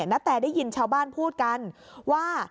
นาแตได้ยินชาวบ้านพูดกันว่า